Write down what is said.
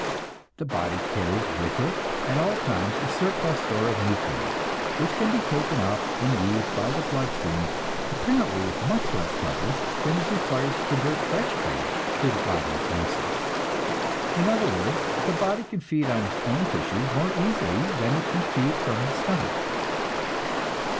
The body carries with it at all times a surplus store of nutriment, which can be taken up and used by the blood stream, apparently with much less trouble than is required to convert fresh food to the body's uses. In other words, the body can feed on its own tissues more easily than it can feed from the stomach.